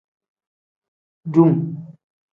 Dum.